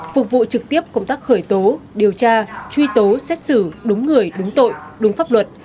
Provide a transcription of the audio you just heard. phục vụ trực tiếp công tác khởi tố điều tra truy tố xét xử đúng người đúng tội đúng pháp luật